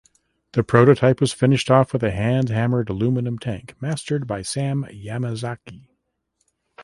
The prototype was finished off with a hand-hammered aluminum tank mastered by Sam Yamazaki.